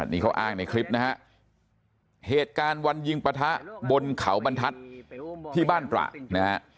นี่เขาอ้างในคลิปนะฮะเหตุการณ์วันยิงปะทะบนเขาบรรทัศน์ที่บ้านตระนะฮะ